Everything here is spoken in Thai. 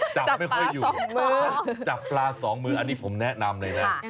จับไม่ค่อยอยู่จับปลาสองมืออันนี้ผมแนะนำเลยนะ